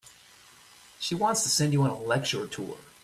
She wants to send you on a lecture tour.